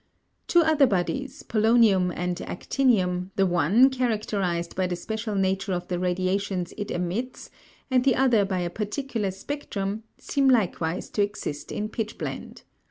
Two other bodies, polonium and actinium, the one characterised by the special nature of the radiations it emits and the other by a particular spectrum, seem likewise to exist in pitchblende.